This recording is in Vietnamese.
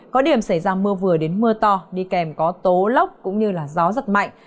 có điểm xảy ra mưa vừa đến mưa to đi kèm có tố lốc cũng như gió rất mạnh